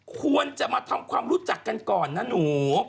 ควรจะมาทำความรู้จักกันก่อนนะหนู